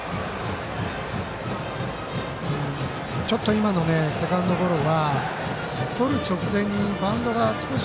今のセカンドゴロはとる直前にバウンドが少し